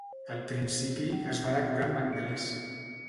Al principi, es va decorar amb anglès.